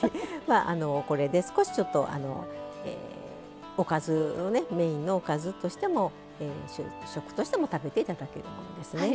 これで少しちょっとメインのおかずとしても主食としても食べて頂けるものですね。